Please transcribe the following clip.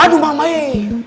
aduh mama eh